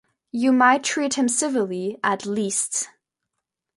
You might treat him civilly, at least.